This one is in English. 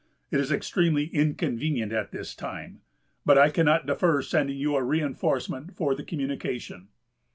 It is extremely inconvenient at this time; ... but I cannot defer sending you a reinforcement for the communication."